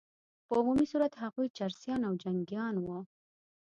په عمومي صورت هغوی چرسیان او جنګیان وه.